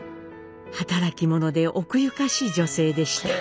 働き者で奥ゆかしい女性でした。